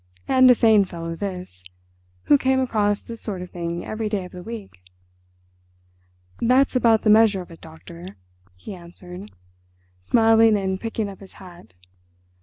And a sane fellow this, who came across this sort of thing every day of the week. "That's about the measure of it, Doctor," he answered, smiling and picking up his hat.